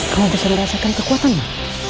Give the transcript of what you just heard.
kamu bisa merasakan kekuatanmu